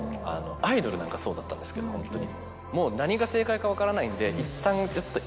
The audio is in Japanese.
『アイドル』なんかそうだったんですけどホントに。